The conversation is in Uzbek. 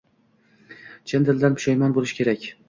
Chin dildan pushaymon bo‘lishi kerak.